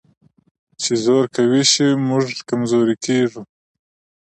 چې زور قوي شي، موږ کمزوري کېږو.